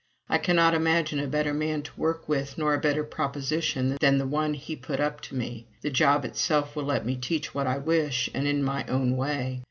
I cannot imagine a better man to work with nor a better proposition than the one he put up to me. ... The job itself will let me teach what I wish and in my own way.